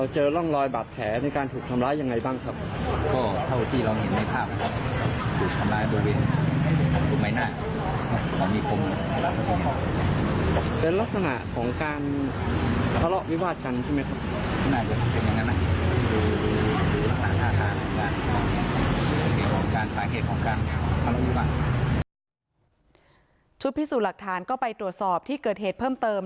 พิสูจน์หลักฐานก็ไปตรวจสอบที่เกิดเหตุเพิ่มเติม